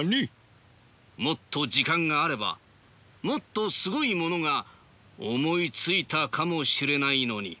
もっと時間があればもっとすごいものが思いついたかもしれないのに。